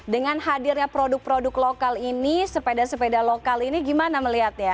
dengan hadirnya produk produk lokal ini sepeda sepeda lokal ini gimana melihatnya